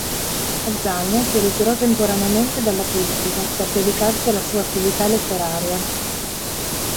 Azaña si ritirò temporaneamente dalla politica per dedicarsi alla sua attività letteraria.